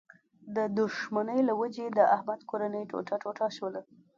د دوښمنۍ له و جې د احمد کورنۍ ټوټه ټوټه شوله.